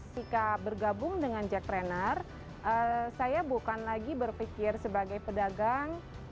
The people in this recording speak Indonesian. sikap bergabung dengan jack trainer saya bukan lagi berpikir sebagai pedagang